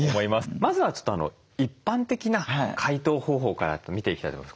まずはちょっと一般的な解凍方法から見ていきたいと思います。